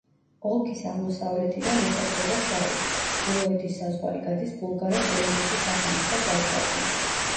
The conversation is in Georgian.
ოლქის აღმოსავლეთიდან ესაზღვრება შავი ზღვა, ჩრდილოეთის საზღვარი გადის ბულგარეთ-რუმინეთის სახელმწიფო საზღვარზე.